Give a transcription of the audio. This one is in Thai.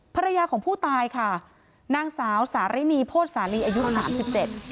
ภรรยาของผู้ตายค่ะนางสาวสารินีโพธิสาลีอายุสามสิบเจ็ด